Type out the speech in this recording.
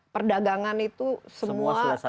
perdagangan itu semua sudah